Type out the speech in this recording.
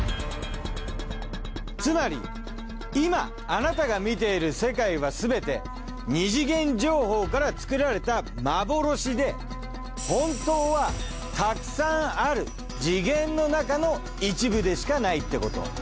つまり今あなたが見ている世界はすべて二次元情報から作られた幻で本当はたくさんある次元の中の一部でしかないってこと。